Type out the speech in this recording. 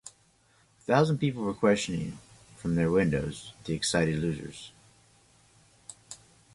A thousand people were questioning, from their windows, the excited losers.